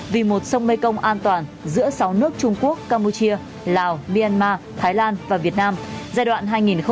vì một sông mekong an toàn giữa sáu nước trung quốc campuchia lào myanmar thái lan và việt nam giai đoạn hai nghìn một mươi sáu hai nghìn hai mươi